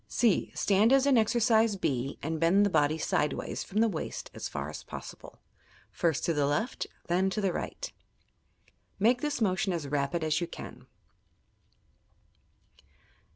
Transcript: (c) Stand as in exercise (b) and bend the body side ways from the waist as far as possible — first to the left, then to the right. Make this motion as rapid as you can.